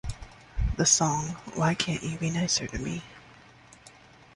The song Why Can't You Be Nicer to Me?